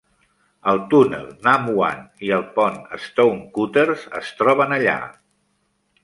El túnel Nam Wan i el pont Stonecutters es troben allà.